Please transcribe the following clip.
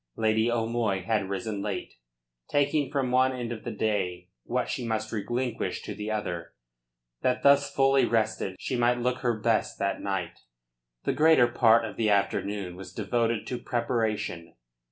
Lady O'Moy had risen late, taking from one end of the day what she must relinquish to the other, that thus fully rested she might look her best that night. The greater part of the afternoon was devoted to preparation.